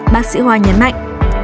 bác sĩ hoa nhấn mạnh